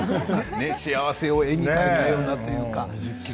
幸せを絵に描いたというか。